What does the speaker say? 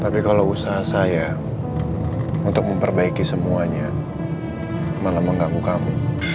tapi kalau usaha saya untuk memperbaiki semuanya malah mengganggu kami